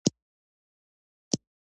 د خوراکي توکو کوچنۍ فابریکې په کابل کې شته.